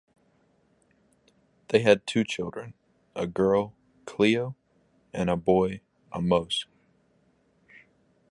They had two children, a girl, Cleo and a boy, Amos.